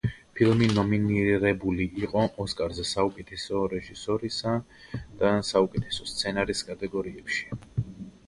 ფილმი ნომინირებული იყო ოსკარზე საუკეთესო რეჟისორისა და საუკეთესო სცენარის კატეგორიებში.